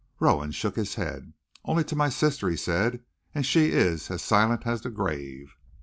Rowan shook his head. "Only to my sister," he said, "and she is as silent as the grave."